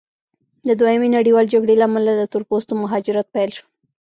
د دویمې نړیوالې جګړې له امله د تور پوستو مهاجرت پیل شو.